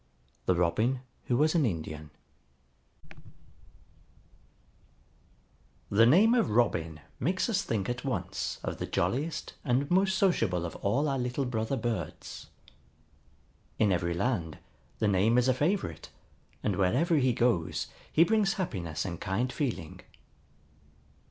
THE ROBIN WHO WAS AN INDIAN The name of Robin makes us think at once of the jolliest and most sociable of all our little brother birds. In every land the name is a favorite, and wherever he goes he brings happiness and kind feeling.